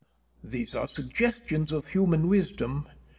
Penn. These are suggestions of human wisdom.